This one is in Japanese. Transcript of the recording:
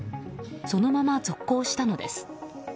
そのまま続行したのです。